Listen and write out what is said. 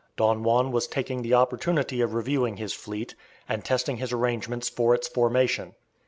Don Juan was taking the opportunity of reviewing his fleet, and testing his arrangements for its formation.